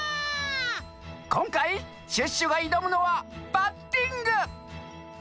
こんかいシュッシュがいどむのはバッティング！